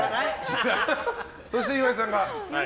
そして、岩井さんが。